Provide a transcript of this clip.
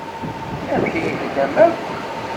Amek ay tellam akk?